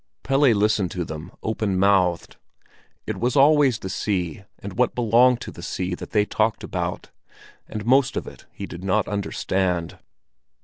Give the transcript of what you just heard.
Pelle listened to them open mouthed. It was always the sea and what belonged to the sea that they talked about, and most of it he did not understand.